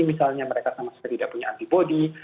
misalnya mereka sama sekali tidak punya antibody